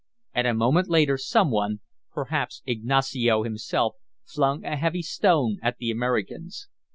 And a moment later some one, perhaps Ignacio himself, flung a heavy stone at the Americans.